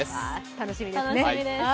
楽しみですね。